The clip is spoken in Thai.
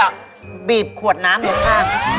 ไม่ใช่เหรอบีบขวดน้ำแบบ๕นะ